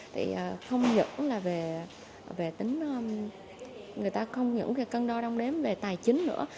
thì không những là về tính người ta không những cân đo đông đếm về tài chính nữa